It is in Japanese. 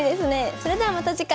それではまた次回。